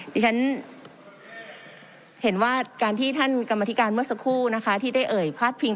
ดิฉันเห็นว่าการที่ท่านกรรมธิการเมื่อสักครู่นะคะที่ได้เอ่ยพาดพิง